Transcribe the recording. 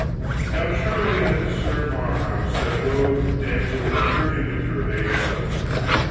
"Now turn we unto Sir Marhaus that rode with the damsel of thirty winter of age southward.